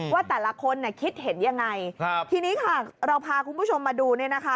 ว่าแต่ละคนคิดเห็นอย่างไรทีนี้ค่ะเราพาคุณผู้ชมมาดู